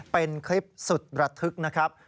เป็นคลิปสุดระทึกนะครับ